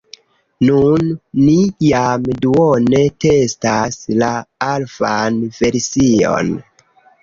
Nun, ni jam duone testas la alfan version